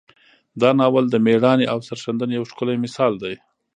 دا ناول د میړانې او سرښندنې یو ښکلی مثال دی.